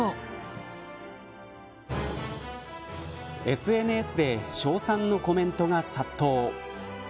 ＳＮＳで称賛のコメントが殺到。